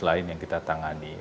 lain yang kita tangani